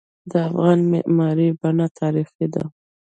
د افغان معماری بڼه تاریخي ده.